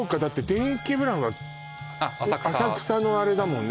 電気ブランはあっ浅草浅草のあれだもんね